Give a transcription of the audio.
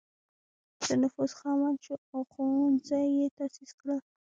د نفوذ خاوند شو او ښوونځي یې تأسیس کړل.